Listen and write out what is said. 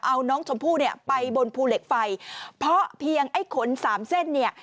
เอาน้องชมพู่เนี่ยไปบนภูเหล็กไฟเพราะเพียงไอ้ขนสามเส้นเนี่ย